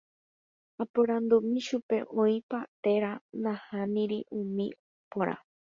Aporandumi chupe oĩpa térã nahániri umi póra.